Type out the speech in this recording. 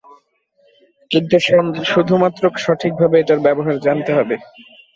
কিন্তু শুধুমাত্র সঠিকভাবে এটার ব্যবহার জানতে হবে।